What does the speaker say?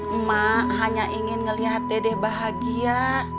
emak hanya ingin ngelihat dedeh bahagia